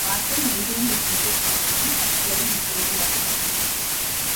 Markham maintained his interest in the navy, particularly in the training of its officers.